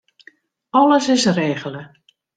Alles is regele.